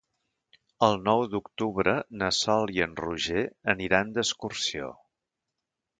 El nou d'octubre na Sol i en Roger aniran d'excursió.